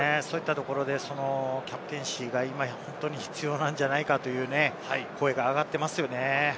そういったところでキャプテンシーが今、必要なんじゃないかという声があがっていますよね。